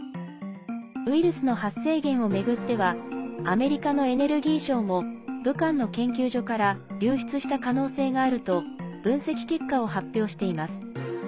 ウイルスの発生源を巡ってはアメリカのエネルギー省も武漢の研究所から流出した可能性があると分析結果を発表しています。